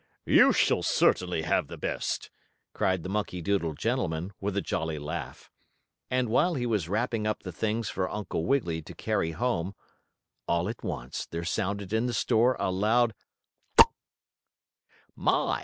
"You shall certainly have the best!" cried the monkey doodle gentleman, with a jolly laugh. And while he was wrapping up the things for Uncle Wiggily to carry home, all at once there sounded in the store a loud: "Pop!" "My!